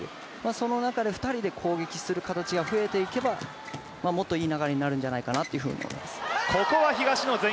その中で２人で攻撃する形が増えていけばもっといい流れになるんじゃないかなと思います。